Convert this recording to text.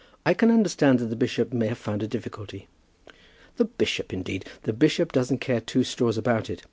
"I can understand that the bishop may have found a difficulty." "The bishop, indeed! The bishop doesn't care two straws about it.